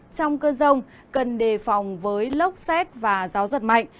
trong cơn rông cần đề phòng với lốc xét và gió giật mạnh